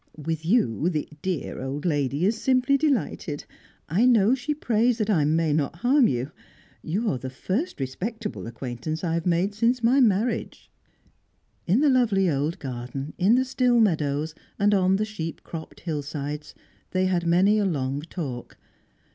With you, the dear old lady is simply delighted; I know she prays that I may not harm you. You are the first respectable acquaintance I have made since my marriage." In the lovely old garden, in the still meadows, and on the sheep cropped hillsides, they had many a long talk.